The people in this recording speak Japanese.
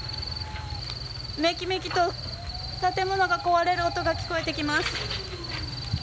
メキメキと建物が壊れる音が聞こえています。